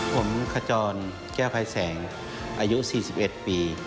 ผมขจรแก้วภัยแสงอายุ๔๑ปี